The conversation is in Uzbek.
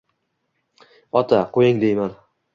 Ota, Qo’ying, deyman.